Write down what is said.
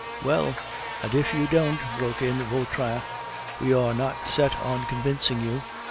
"Well, and if you don't," broke in Vautrin, "we are not set on convincing you.